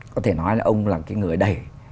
có thể nói là ông là cái người đầy